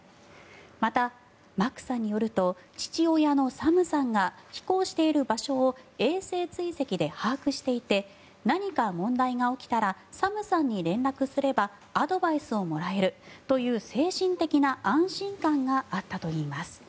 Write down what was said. また、マックさんによると父親のサムさんが飛行している場所を衛星追跡で把握していて何か問題が起きたらサムさんに連絡すればアドバイスをもらえるという精神的な安心感があったといいます。